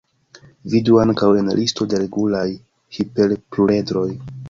Vidu ankaŭ en listo de regulaj hiperpluredroj.